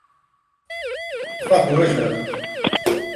صفعت وجهه.